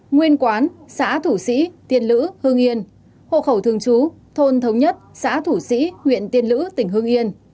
hai nguyên quán xã thủ sĩ tiên lữ hương yên hộ khẩu thường trú thôn thống nhất xã thủ sĩ nguyện tiên lữ tỉnh hương yên